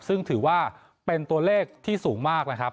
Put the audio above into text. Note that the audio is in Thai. ซึ่งถือว่าเป็นตัวเลขที่สูงมากนะครับ